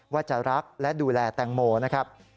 ว่าจะรักและดูแลแตงโมนะครับ